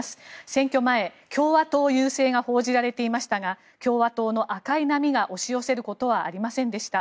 選挙前、共和党優勢が報じられていましたが共和党の赤い波が押し寄せることはありませんでした。